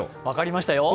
分かりました。